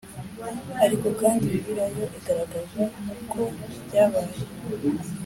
Ariko kandi Bibiliya yo igaragaza ko byabaye